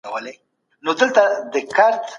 خوريي د خور زوی